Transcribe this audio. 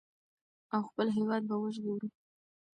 او خپل هېواد به وژغورو.